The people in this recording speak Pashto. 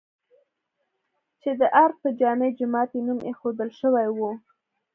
چې د ارګ په جامع جومات یې نوم ايښودل شوی و؟